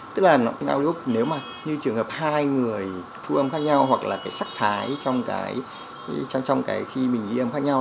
tức là audiobook nếu mà như trường hợp hai người thu âm khác nhau hoặc là cái sắc thái trong cái khi mình ghi âm khác nhau